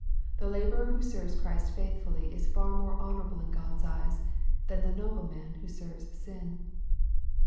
The laborei who serves Christ faithfully is far more honorable ic God's eyes, than the nobleman who serves sin.